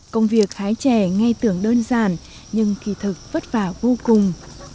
công việc hái trẻ ngay tưởng đơn giản nhưng thị thực vất vả vô cùng